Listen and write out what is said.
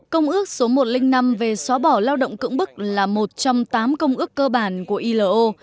công ước số một trăm linh năm về xóa bỏ lao động cưỡng bức là một trong tám công ước cơ bản của ilo